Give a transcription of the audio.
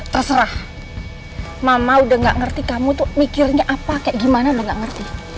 terserah mama udah gak ngerti kamu tuh mikirnya apa kayak gimana udah gak ngerti